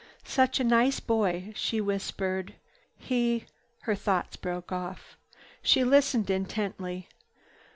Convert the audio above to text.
"Such a nice boy," she whispered. "He—" Her thoughts broke off. She listened intently.